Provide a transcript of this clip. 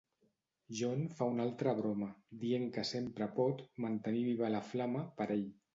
John fa una altra broma, dient que sempre pot "mantenir viva la flama" per ell.